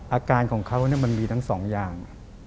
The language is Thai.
อาการของเขามันมีทั้งสองอย่าง